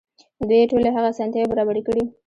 دوی ټولې هغه اسانتياوې برابرې کړې.